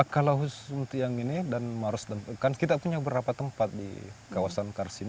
kalau seperti yang ini dan harus kan kita punya beberapa tempat di kawasan kars ini